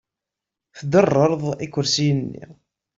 Tderrereḍ ikersiyen-nni.